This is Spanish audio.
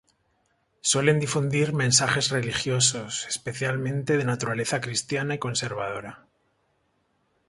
Suelen difundir mensajes religiosos, especialmente de naturaleza cristiana y conservadora.